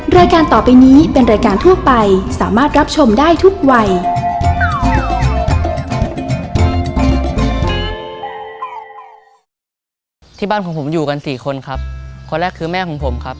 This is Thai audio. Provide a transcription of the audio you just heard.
รายการต่อไปนี้เป็นรายการทั่วไปสามารถรับชมได้ทุกวัย